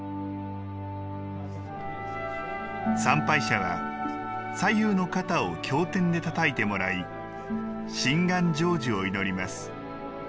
参拝者は、左右の肩を経典でたたいてもらい心願成就を祈ります。